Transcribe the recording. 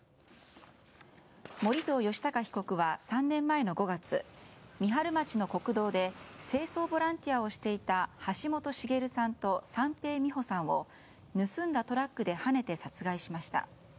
盛藤吉高被告は３年前の５月三春町の国道で清掃ボランティアをしていた橋本茂さんと三瓶美保さんを盗んだトラックではねて殺害しました。